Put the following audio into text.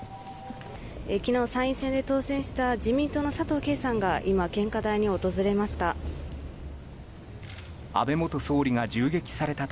昨日、参院選で当選した自民党の佐藤啓さんが今、献花台に訪れました。